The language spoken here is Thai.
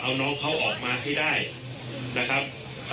เอาน้องเขาออกมาให้ได้นะครับ